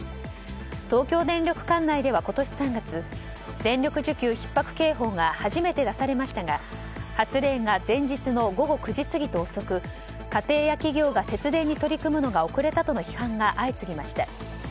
東京電力管内では今年３月電力需給ひっ迫警報が初めて出されましたが発令が前日の午後９時過ぎと遅く家庭や企業が節電に取り組むのが遅れたとの批判が相次ぎました。